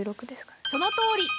そのとおり！